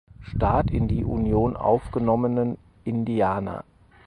Staat in die Union aufgenommenen Indiana.